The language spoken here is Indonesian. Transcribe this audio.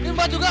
ini mbak juga